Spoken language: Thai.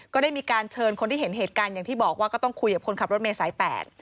ก็ได้มีการเชิญคนที่เห็นเหตุการณ์อย่างที่บอกว่าก็ต้องคุยกับคนขับรถเมย์สายแปด